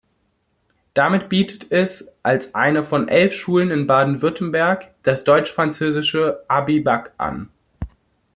Damit bietet es als eine von elf Schulen in Baden-Württemberg das deutsch-französische Abibac an.